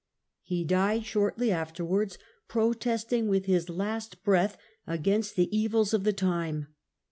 He died shortly afterwards, protesting with his last breath against the evils of the time.